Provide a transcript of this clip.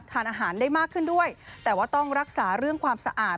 ทานอาหารได้มากขึ้นด้วยแต่ว่าต้องรักษาเรื่องความสะอาด